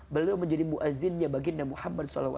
beliau menjadi mu'azzinnya bagi nabi muhammad saw